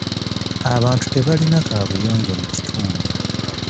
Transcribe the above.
Abantu tebalina kaabuyonjo mu kitundu.